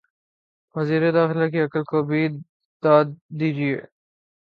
وزیر داخلہ کی عقل کو بھی داد دیجئے۔